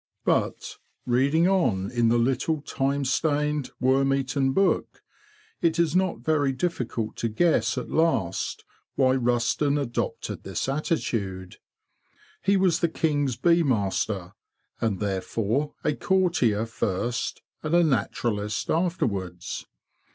But, reading on in the little time stained, worm eaten book, it is not very difficult to guess at last why Rusden adopted this attitude. He was the King's bee master, and therefore a courtier first and a naturalist afterwards.